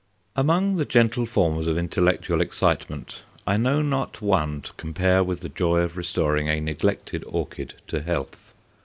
Among the gentle forms of intellectual excitement I know not one to compare with the joy of restoring a neglected orchid to health.